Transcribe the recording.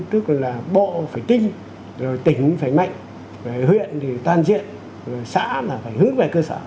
tức là bộ phải tinh rồi tỉnh cũng phải mạnh huyện thì toàn diện rồi xã là phải hướng về cơ sở